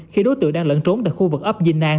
khi đối tượng đang lẫn trốn tại khu vực ấp dinh an